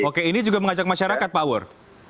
oke ini juga mengajak masyarakat pak war